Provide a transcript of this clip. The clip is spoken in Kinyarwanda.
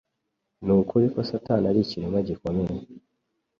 Ni ukuri ko Satani ari ikiremwa gikomeye,